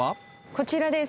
こちらです。